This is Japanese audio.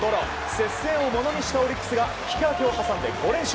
接戦をものにしたオリックスが引き分けを挟んで５連勝。